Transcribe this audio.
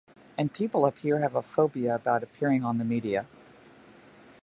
And people up here have a phobia about appearing on the media.